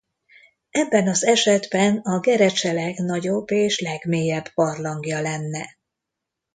Ebben az esetben a Gerecse legnagyobb és legmélyebb barlangja lenne.